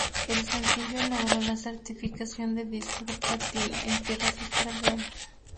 El sencillo logró la certificación de disco de platino en tierras australianas.